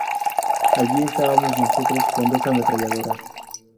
Allí estábamos nosotros con dos ametralladoras.